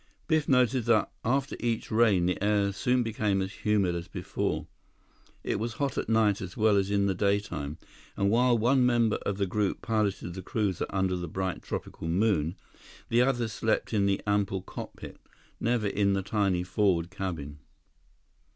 Biff noted that after each rain the air soon became as humid as before. It was hot at night as well as in the daytime, and while one member of the group piloted the cruiser under the bright tropical moon, the others slept in the ample cockpit; never in the tiny forward cabin.